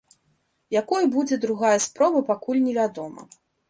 Якой будзе другая спроба, пакуль невядома.